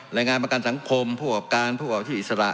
รายงานประกันสังคมผู้ประกอบการผู้ออกที่อิสระ